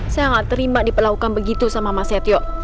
saya nggak terima diperlakukan begitu sama mas setio